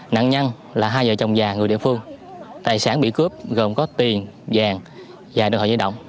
nạn nhân là hai vợ chồng già người địa phương tài sản bị cướp gồm có tiền vàng và đồng hồ dây động